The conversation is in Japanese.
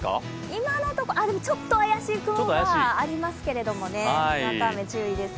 今のところ、ちょっと怪しい雲がありますけどね、雨注意です。